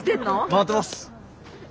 回ってます。